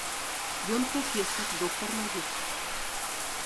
Ён прафесар, доктар навук.